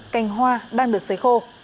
cành hoa đang được xấy khô